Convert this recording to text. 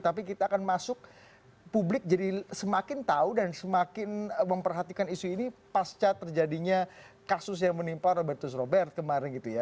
tapi kita akan masuk publik jadi semakin tahu dan semakin memperhatikan isu ini pasca terjadinya kasus yang menimpa robertus robert kemarin gitu ya